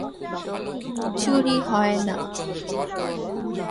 ‘চুরি হয় না।’